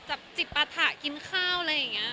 จิบปะถะกินข้าวอะไรอย่างนี้